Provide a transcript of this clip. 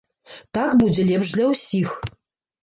Так будзе лепш для ўсіх.